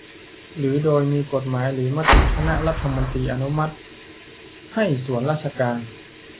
หรือโดยมีกฎหมายหรือมติคณะรัฐมนตรีอนุมัติให้ส่วนราชการ